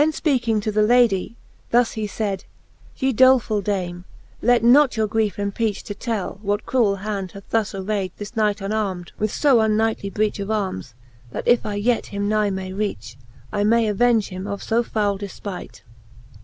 Then fpeaking to the Ladie, thus he fayd: Ye dolefull Dame, let not your griefe empeach To tell, what cruell hand hath thus arayd This knight unarm'd with fb unknightly breach Of armes, that if I yet him nigh may reach, I may avenge him of fo foule defpight.